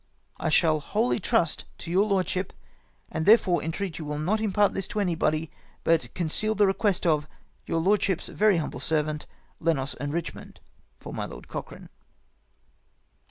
19 "I shall wholly trust to your lordship, and therefore entreat you will not impart this to anybody, but conceal the request of " Your lordship's very humble servant, " Lends and Eichmond. " For my Lord Cochrane."